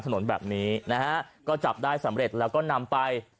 ถนนแบบนี้นะฮะก็จับได้สำเร็จแล้วก็นำไป